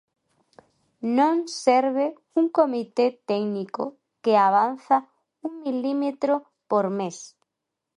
Non serve un comité técnico que avanza un milímetro por mes.